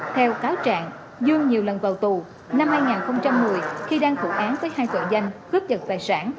theo cáo trạng dương nhiều lần vào tù năm hai nghìn một mươi khi đang phụ án với hai tội danh cướp giật tài sản